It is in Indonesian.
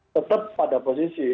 tetap pada posisi